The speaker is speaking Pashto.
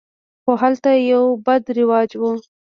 خو هلته یو بد رواج و.